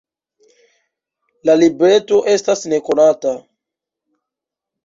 La libreto estas nekonata.